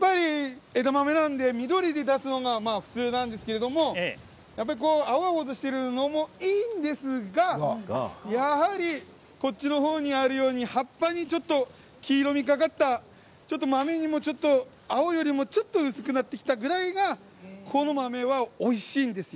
枝豆なので緑で出すのが普通なんですけど青々としているのもいいんですがやはりこっちの方にあるように葉っぱに黄色みがかった豆にも青よりもちょっと薄くなってきたぐらいがこの豆がおいしいんです。